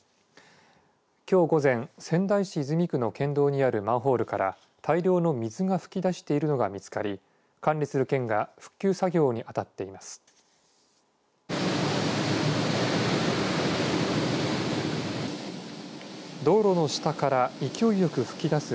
きょう午前、仙台市泉区の県道にあるマンホールから大量の水が噴き出しているのが見つかり管理する県が復旧作業に当たっています。